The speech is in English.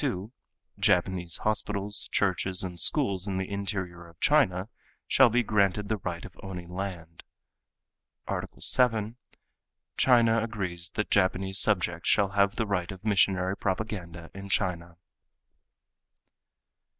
2: Japanese hospitals, churches and schools in the interior of China shall be granted the right of owning land." "Art. 7: China agrees that Japanese subjects shall have the right of missionary propaganda in China."